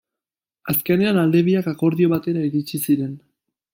Azkenean, alde biak akordio batera iritsi ziren.